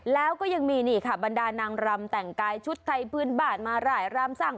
แล้วก็ยังมีนี่ค่ะบรรดานางรำแต่งกายชุดไทยพื้นบ้านมาหลายรามสัง